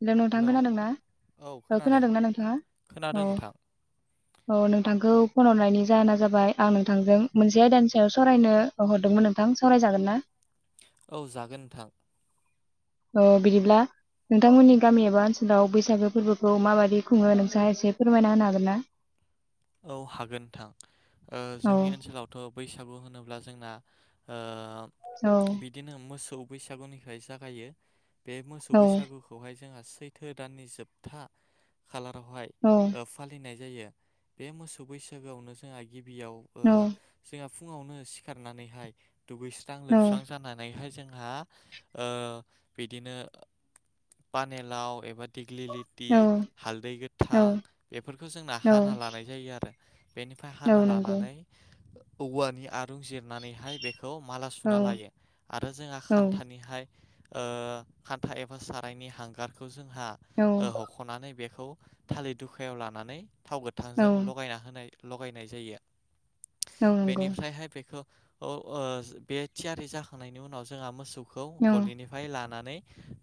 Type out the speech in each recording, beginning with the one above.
Hello नोंथाङा खोनादोंनाा औ खोनादोंना नोंथाङा? खोनादों नोंथां औ। औ नोंथांखौ फन हरनायनि जाहोना जाबाय आं नोंथांजों मोनसे आयदानि सायाव सावरायनो हरदोंमोन नोंथां सावरायजागोन ना? औ जागोन नोंथां। अ बिदिब्ला नोंथांमोननि गामि एबा ओनसोलाव बैसागो फोरबोखौ माबायदि खुङो नोंसाङा एसे फोरमायना होनो हागोन ना? औ हागोन नोंथां। ओ औ जोंनि ओनसोलावथ' बैसागु होनोब्ला जोंना ओ औ बिदिनो मोसौ बैसागुनिफ्राय जागायो बे मोसौ बैसागुखौहाय जोंहा सैथो दाननि जोबथा खालारावहाय औ ओ फालिनाय जायो। बे मोसौ बैसागोआवनो जोंहा गिबियाव ओ औ जोंहा फुङावनो सिखारनानैहाय दुगैस्रां लोबस्रां औ जानानैहाय जों हा ओ बिदिनो ओ पानि लाव एबा दिग्लिलिटि औ हालदै औ गोथां बेफोरखौ जोंना हाना औ लानाय जायो आरो। बेनिफ्राय औ हाना नंगौ लानानै औवानि आरुं जिरनानैहाय बेख खौ माला औ सुना लायो आरो जोंहा औ खान्थानिहाय ओ खान्था एबा सारायनि हांगारखौ जोंहा औ ओ हख'नानै बे खौ थालिर दुखायाव लानानै थाव औ गोथांजों लगायना होनाय लगायनाय जायो औ नंगौ बेनिफ्रायहाय बेखौ। ओ-बे थियारि जाखांनायनि उनाव जोंहा मोसौखौ औ गलिनिफ्राय लानानै।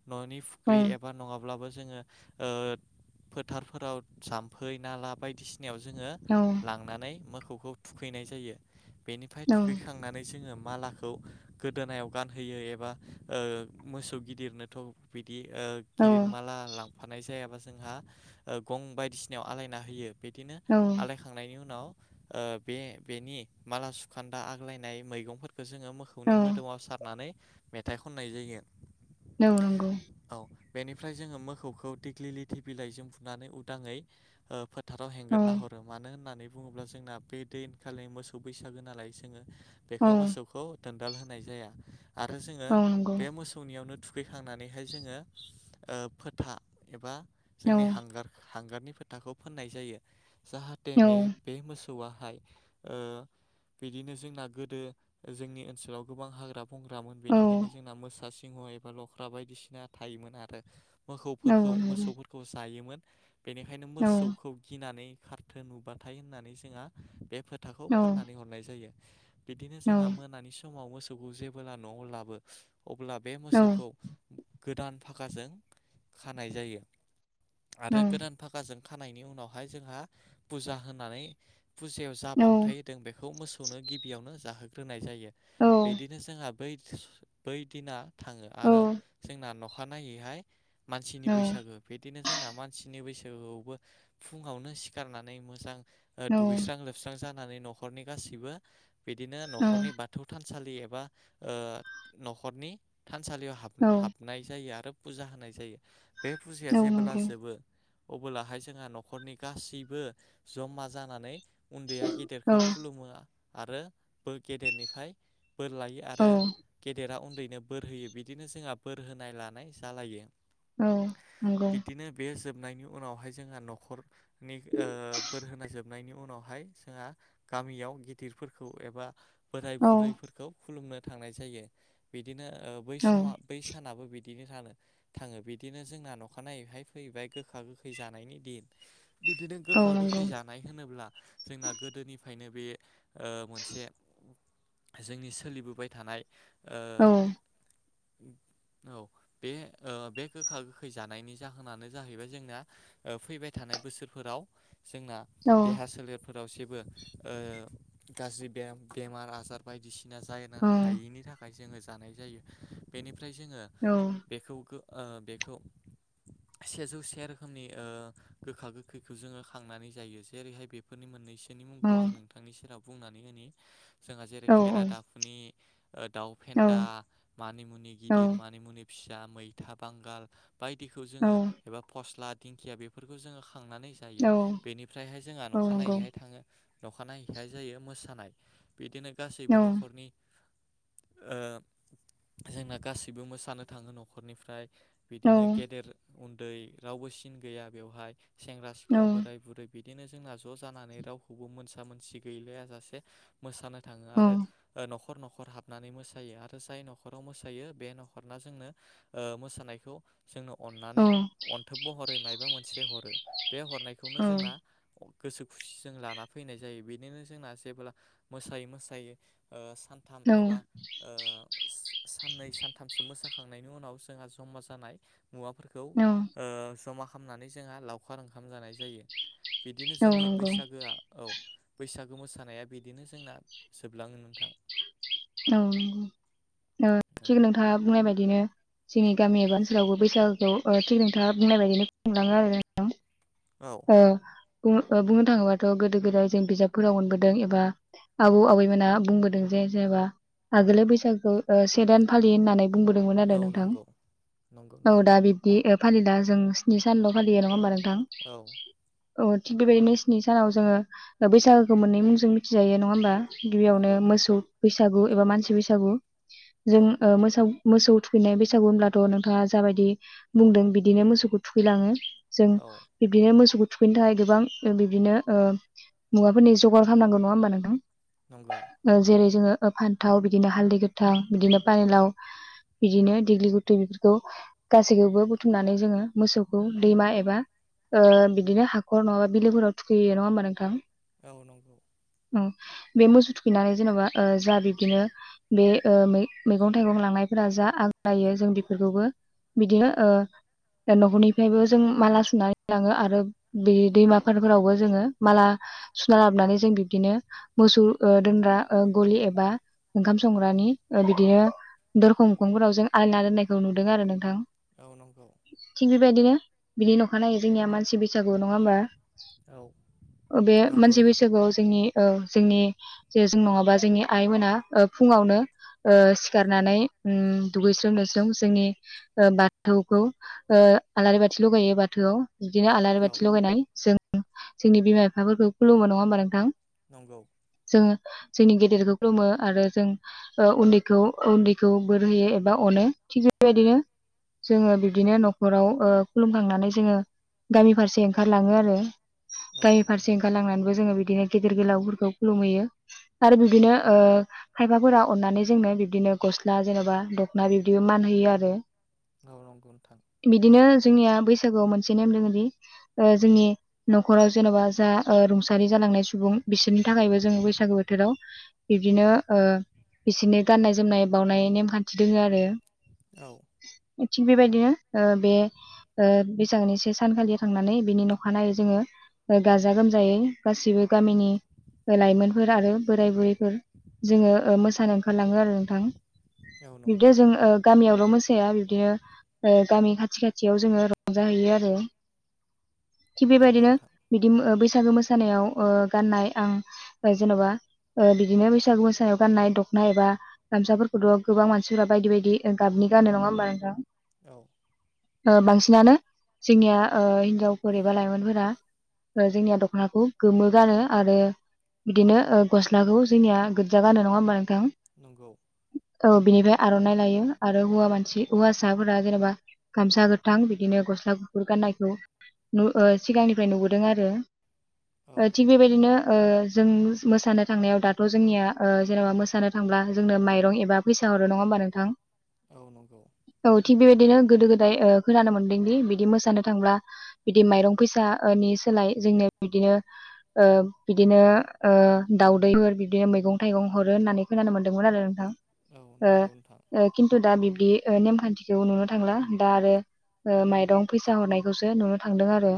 न'नि औ फुख्रि एबा नङाब्लाबो। जोङो ओ-फोथारफोराव जामफै नाला बायदिसि बियाव जोङो औ लांनानै मोखौखौ थुखैनाय जायो। बेनिफ्राय थुगैखांनानै जोङो। मालाखौ गोदोनायाव गानहोयो एबा ओ-मोसौ गिदिरनोथ' बि बिदि ओ-गिदिर माला लांफानाय जायाबा जोंहा ओ- गं बायदिसिनायाव आलायना होयो। बिदिनो औ आलायखांनायनि उनाव। ओ-बे बेनि माला सुखान्दा आग्लायनाय मैगंफोर बेखौ जोङो औ मोखौनि मोदोमाव सारनानै मेथाइ खननाय जायो। औ नंगौ। औ बेनिफ्राय जोङो मोखौखौ दिग्लि लिथि बिलाइजों फुनानै उदाङै ओ-फोथ थाराव औ हेंगारना हरो मानो होननानै बुङोब्ला जोंना बे दैनखालिनि मोसौ बैसागो नालाय जोङो। औ बेखौ मोसौखौ दोनदाल होनाय जाया आरो जोङो औ नंगौ बे मोसौनियावनो थु थुखैखांनानैहाय जोङो ओ-फोथा एबा औ जोंनि हांगार। हांगारनि फोथाखौ फोननाय जायो जाहाथे औ मे-बे मोसौ। वाहाय ओ-बिदिनो जोंना गोदो ओ-जोंनि ओनसोलाव गोबां हाग्रा। बुंग्रामोन औ बेनिखायनो जोंना मोसा सिंह एबा लख्रा बायदिसिना थायोमोन आरो। औ मोखौफोरखौ नंगौ मोसौफोरखौ जायोमोन। बेनिखायनो औ मोसौ। गिनानै खारथो नुबाथाय होननानै जोंहा बे फोथाखौ औ फोननानै हरनाय जायो। बिदिनो औ जोंहा मोनानि समाव मोसौखौ जेबोब्ला न'आव लाबो। अब्ला बे औ मोसौखौ गोदान फागाजों खानाय जायो। औ आरो गोदान फागाजों खानायनि उनावहाय जोंहा फुजा होनानै। फुजायाव जा बावथाय होदों बेखौ मोसौनो गिबियावनो जाहोग्रोनाय जायो बिदिनो जोंहा। बै बै दिना थाङो आरो जोंना नखा नायैहाय। मानसिनि बैसागो बिदिनो जोंना मानसिनि बैसा फुङावनो सिखारनानै मोजां औ ओ-दुगैस्रां लोबस्रां जा नानै न'खरनि गासिबो बिदिनो औ न'खरनि बाथौ था -नसालि एबा ओ-न'खरनि थानसालियाव नंगौ औ नंगौ औ हाब-हाबनाय जायो आरो। फुजा होनाय जायो बे फुजाया औ नंगौ औ औ जेबोला औ औ नंगौ औ जोबो अब्लाहाय। जोंहा न'खरनि गासैबो जमा जानानै उन्दैया औ औ गेदेरखौ खुलुमो। आरो गेदेरनिफ्राय बोर लायो आरो गेदेरा। उन्दैनो बोर होयो बिदिनो जोंहा बोर होनाय लानाय जालायो। औ नंगौ बिदिनो बे जोबनायनि उनावहाय। जोंहा न'खरनि ओ-बोर होनाय जोबनायनि उनावहाय जोंहा गामियाव गिदिर। फोरखौ एबा। बोराय बुरैफोरखौ खुलुमनो थांनाय जायो बिदिनो ओ- बै समा बै सानाबो बिद दिनो थानो थाङो बिदिनो जोंना नखानायैहाय फैबाय गोखा गोखै जानायनि दिन। बिदिनो गोखा गोखै जानाय होनोब्ला जोंना गोदोनिफ्रायनो बे। ओ-मोनसे जोंनि सोलिबोबाय थानाय। ओ औ औ बे ओ-बे गोखा गोखै जानायनि जाहोनानो जाहैबाय जोंना। ओ-फैबाय थानाय बोसोरफोराव जोंना देहा सोलेर। फोराव जेबो ओ-गाज्रि बेमार आजार बायदिसि ना जानो हायैनि थाखाय जोङो जानाय जायो बेनिफ्राय जोङो बेखौ। ओ-बेखौ सेजौ से रोखोमनि। ओ गोखा गोखैखौ जोङो खांनानै जायो जेरैहाय बेफोरनि मोननैसो बेनि मुंखौ आं नोंथांनि सेराव बुंनानै होनि जोंहा जेरै खेरा दाफिनि दाउ फेन्दा मानिमुनि गिदिर मानिमुनि फिसा मैथा बांगाल बायदिखौ जोङो एबा फस्ला दिंखिया बेफोरखौ जोङो खांनानै जायो बेनिफ्रायहाय जोंहा अखानायैहाय थाङो अखानायैहाय जायो मोसानाय बिदिनो गासैबो न'खरनि ओ जोंना गासैबो मोसानो थाङो न'खरनिफ्राय बिदिनो गेदेर उन्दै रावबो सिन गैया बेवहाय सेंग्रा सिख्ला बोराय बुरै बिदिनो जोंना ज' जानानै रावखौबो मोनसा मोनसि गैलायाजासे मोसानाय थाङो आरो ओ न'खर न'खर न'खर हाबनानै मोसायो आरो जाय न'खराव मोसायो बे न'खरना जोंनो ओ मोसानायखौ जोंनो अननानै अनथोब महरै मायबा मोनसे हरो बे हरनायखौनो जोंना गोसो खुसिजों लाना फैनाय जायो बेदिनो जोंना जेब्ला मोसायै मोसायै ओ सानथाम एबा ओ साननै सानथामसो मोसाखांनायनि उनाव जोंहा जमा जानाय मुवाफोरखौ ओ औ जमा खालामनानै जोंहा लावखार ओंखाम जानाय जायो। बिदिनो औ जोंनि नंगौ बैसागोआ औ बैसागु मोसानाया बिदिनो जोंना जोबलाङो नोंथां। औ औ औ थिग नोंथाङा बुंनाय बायदिनो जोंनि गामि एबा ओनसोलावबो बैसागोखौ ओ थि नोंथाङा बुंनाय बायदिनो खुंलाङो आरो ना नोंथां। औ ओ बुंन बुंनो थाङोबाथ' गोदो गोदाय जों बिजाबफोराव मोनबोदों एबा आबौ आबैमोना बुंबोदों जेनबा आगोलनि बैसागुखौ ओ से दान फालियो होननानै बुंबोदोंमोन आरो औ नोंथां नंगौ नंगौ नोंथां औ दा बिब्दि फालिला जों स्नि सानल' फालियो नङा होमबा नोंथां? औ औ थिग बेबायदिनो स्नि सानाव जोङो बैसागोखौ मोननै मुंजों मिथिजायो नङा होमबा? गिबियावनो नंगौ मोसौ बैसागु एबा मानसि बैसागु औ जों ओ मोसौ मोसौ थुखैनाय बैसागु होनब्लाथ' नोंथाङा जाबायदि बुंदों बिदिनो मोसौखौ थुखैलाङो। जों औ बे मोसौखौ थुखैनो थाखाय गोबां बिदिनो ओ मुवाफोरनि जगार खालामनांगौ नङा होमबा नोंथां? नंगौ ओ जेरै जोङो ओ फान्थाव बिदिनो हालदै गोथां बिदिनो पानिलाव बिदिनो दिग्लिगुति बेफोरखौ गासैखौबो बुथुमनानै जोङो मोसौखौ दैमा एबा ओ बिदिनो हाखर नङाबा बिलोफोराव थुखैयो नङा होमबा नोंथां? औ नोंगौ। औ बे मोसौ थुखैनानै जेनेबा ओ जाहा बिब्दिनो बेयो ओ मैगं थाइगं लांनायफोरा जा आग्लायो जों बेफोरखौबो बिदिनो ओ न'खरनिफ्रायबो जों माला सुनानै लाङो आरो बे दैमाफार फोरावबो जोङो माला सुना लाबोनानै जों बिब्दिनो मोसौ ओ दोनग्रा ओ गलि एबा ओंखाम संग्रानि ओ बिदिनो दरखं मोखंफोराव जों आलायना दोननायखौ नुदों आरो नोंथां। औ नंगौ थिग बेबायदिनो बिनि अखानायो जोंनिया मानसि मानसि बैसागु नङा होमबा औ ओ बे नंगौ मानसि नोंथां बैसागुआव जोंनि ओ जोंनि जे जों नङाबा जोंनि आइमोना ओ फुङावनो ओ सिखारनानै उम दुगैस्रोम लोबस्रोम जोंनि ओ बाथौखौ ओ ओ आलारि बाथि लगायो बाथ थोआव बिदिनो आलारि औ बाथि लगायनाय जों जोंनि बिमा बिफाफोरखौ खुलुमबाय नङा होमबा नोंथां? नोंगौ। जोङो जोंनि गेदेरखौ खुलुमो आरो जों ओ उन्दैखौ उन्दैखौ बोर होयो एबा अनो। थिग बेबायदिनो जोङो बिब्दिनो न'खराव ओ खुलुमखांनानै जोङो गामि फारसे ओंखारलाङो आरो औ गामि नंगौ फारसे ओंखारलांनानैबो जोङो। बिदिनो गेदेर गोलावफोरखौ खुलुमहैयो आरो बिबदिनो खायफाफोरा अननानै जोंनो बिदिनो। गस्ला जेन'बा दख'ना बिबदिबो मान होयो आरो। गावनाव गुनथां बिदिनो जोंनिया बै बैसागोआव मोनसे नेम दोङोदि जोंनि न'खराव जेन'बा जा रुंसारि जालांनाय सुबुं बिसोरनि थाखायबो जोङो बैसागो बोथोराव बिबदिनो। बिसोरनि गाननाय जोमनाय बावनाय नेमखान्थि दोङो आरो। औ थिग बेबायदिनो ओ बे बैसागनि से सानखालि थांनानै बिनि अखानायै जोङो गाजा गोमजायै गासिबो गामिनि लाइमोनफोर आरो बोराय बुरैफोर जोङो मोसानो ओंखारलाङो आरो नोंथां। औ बिबदि नंगौ जों गामियावल' मोसाया बिबदिनो गामि खाथि खाथियाव जोङो रंजा हैयो आरो थिग नंगौ बेबायदिनो नोंथां बिदि बैसाग बैसागो मोसानायाव गाननाय आं जेन'बा बिदिनो बैसागु मोसानायाव गाननाय दखनाय एबा गामसाफोरखौथ' गोबां मानसिफोरा बायदि बायदि गाबनि नि गानों नङा होनबा नोंथां। औ बांसिनानो जोंनिया हिनजावफोर एबा लाइमोनफोरा। जोंनिया दख'नाखौ गोमो गानो, आरो बिदिनो गस्लाखौ जोंनिया गोजा गानो नङा होमबा नोंथां? नंगौ औ बिनिफ्राय आर'नाइ लायो आरो हौवा मानसि हौवासाफोरा जेनेबा गामसा गोथां गोथां बिदिनो गस्ला गुफुर गाननायखौ सिगांनिफ्राय नुबोदों आरो। औ थिग बेबायदिनो जों मोसानो थांनायाव दाथ' जोंनिया जेनेबा मोसानो थांब्ला जोंनो माइरं एबा फैसा हरो नङा हबा नोंथां औ नंगौ औ थिग बेबायदिनो गोदो गोदाय खोनानो मोनदोंदि बिदि मोसानो थांब्ला बिदि माइरं फैसानि सोलाय जोंनो बिदिनो बिदिनो दाउदैफोर बिदिनो मैगं थाइगं हरो होननानै खोनानो मोन्दोंमोन आरो नोंथां। औ नंगौ नोंथां खिन्थु दा बिब्दि नेमखान्थिखौ नुनो थांला दा आरो ओ माइरं फैसा हरनायखौसो नुनो थांदों आरो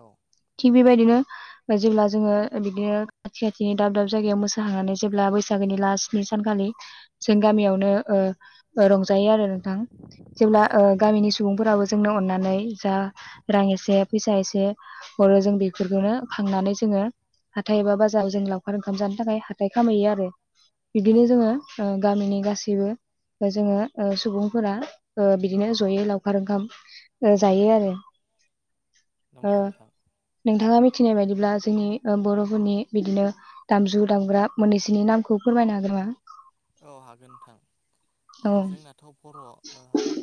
औ थिग बेबायदिनो - जेब्ला जोङो बिदिनो खाथि खाथिनि दाब दाब जायगायाव मोसा हैनानै जेब्ला बैसागोनि लास सानखालि जों गामियावनो रंजायो आरो नोंथां। जेब्ला औ ओ गामिनि सुबुंफोराबो जोंनो अनानै जा रां एसे फैसा एसे होरो जों बेफोरखौनो खांनानै जोङो हाथाय एबा बाजाराव जों लावखार ओंखाम जानो थाखाय हाथाय खामहैयो आरो। औ बिदिनो जोङो नंगौ गामिनि गासैबो। जोङो सुबुंफोरा बिदिनो जयै लाव लावखार ओंखाम जायो आरो। ओ नंगौ नोंथां नोंथाङा मिथिनाय बायदि ब्ला जोंनि बर'फोरनि बिदिनो दामजु दामग्रा मोननैसोनि नामखौ फोरमायनो हागोन नामा? औ हागोन नोंथां औ जोंनाथ' बर'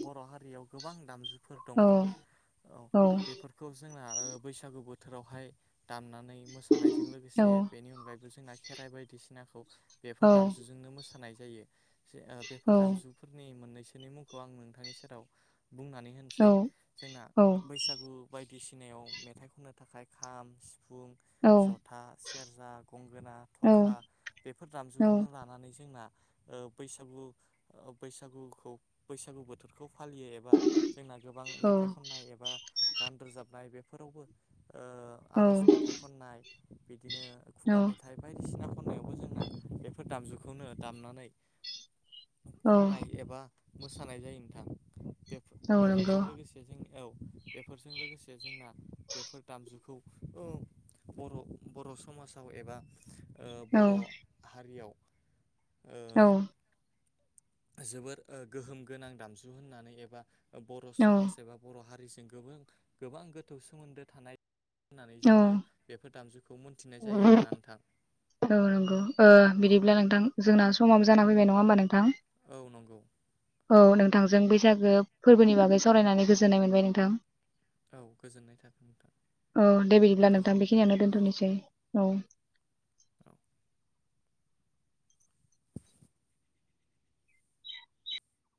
बर' हारियाव गोबां दामजुफोर दङ औ औ औ बेफोरखौ जोंना बैसागु बोथोरावहाय दामनानै मोसानायजों औ लोगोसे बेनि अनगायैबो जों ना खेराइ बायदिसिनाखौ बेफोर औ दामजुजोंनो मोसानाय जायो। जे बेफोर दामजुफोरनि मोननैसोनि मुंखौ आं नोंथांनि सेराव बुंनानै औ होनसै जोंना औ बैसागु बायदिसिनायाव मेथाइ खननो थाखाय खाम सिफुं औ जथा सेरजा गंगोना थरखा बेफोर औ दामजुखौनो लानानै जोंना बसागु बसागुखौ बैसागु बोथोरखौ। फालियो एबा जोंना गोबां औ मेथाइ खननाय एबा गान रोजाबनाय बेफोरावबो, ओ आर'ज मेथाइ खननाय, बिदिनो खुगा मेथाइ बायदिसिना खननायावबो जोंना बेफोर दामजुखौनो, दामनानै खननाय एबा मोसानाय जायो नोंथां। बेफो औ नोंगौ। बेफोरजों लोगोसे जों औ बेफोरजों लोगोसे जोंना बेफोर दामजुखौ ओ बर' बर' समाजाव एबा ओ औ बर' हारियाव, औ ओ जोबोर गोहोम गोनां दामजु होननानै एबा बर' समाज एबा बर' हारि, मेसेंखौबो गोबां गोथौ सोमोन्दो थानाय होननानै औ जोङो बेफोर दामजुखौ मोन मिथिनाय जायो आरोना नोंथां, औ नंगौ औ बिदिब्ला नोंथां जोंना समाबो जाना फैबाय नङा होमबा नों औ नंगौ नोंथां औ नों थांजों बैसागो फोरबोनि बागै सावरायनानै गोजोननाय मोनबाय नोंथां। औ गोजोननाय थाबाय नोंथां, औ दे बिदिब्ला नोंथां गोजोननाय थाबाय बेखिनियावनो औ दोनथ'नोसै औ औ